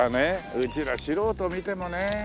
うちら素人見てもね。